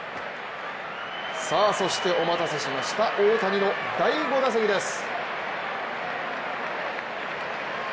さあそしてお待たせしました大谷の第５打席です。